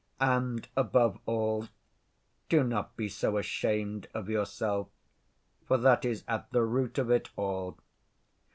And, above all, do not be so ashamed of yourself, for that is at the root of it all."